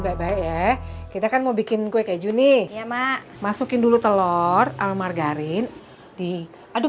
baik baik ya kita akan mau bikin gue keju nih ya mak masukin dulu telur almargarin di aduk